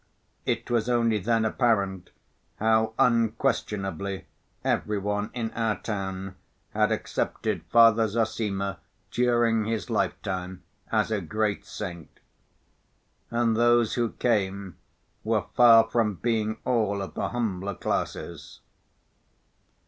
It was only then apparent how unquestionably every one in our town had accepted Father Zossima during his lifetime as a great saint. And those who came were far from being all of the humbler classes.